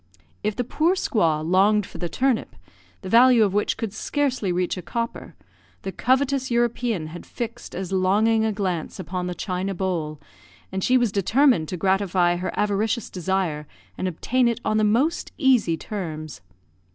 If the poor squaw longed for the turnip, the value of which could scarcely reach a copper, the covetous European had fixed as longing a glance upon the china bowl, and she was determined to gratify her avaricious desire and obtain it on the most easy terms.